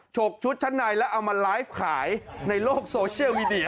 ฉกชุดชั้นในแล้วเอามาไลฟ์ขายในโลกโซเชียลมีเดีย